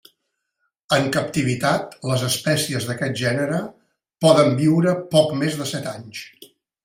En captivitat les espècies d'aquest gènere poden viure poc més de set anys.